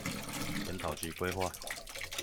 研討及規劃